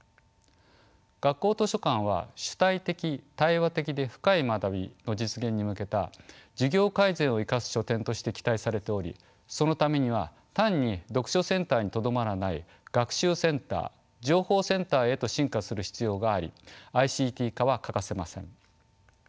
学校図書館は主体的・対話的で深い学びの実現に向けた授業改善を生かす書店として期待されておりそのためには単に読書センターにとどまらない学習センター情報センターへと進化する必要がありＩＣＴ化は欠かせません。